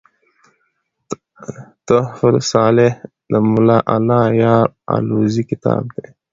"تحفه صالح" دملا الله یار الوزي کتاب دﺉ.